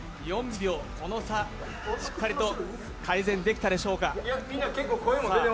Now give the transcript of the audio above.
４秒、この差、しっかりと改善できたでしょうか。